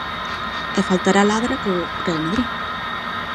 E faltará Ladra co Real Madrid.